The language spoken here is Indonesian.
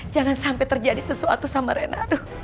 jangan sampai terjadi sesuatu sama renado